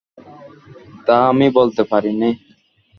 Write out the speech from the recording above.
তা আমি বলতে পারি নে।